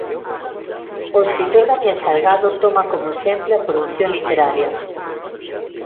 O escritor Daniel Salgado toma como exemplo a produción literaria.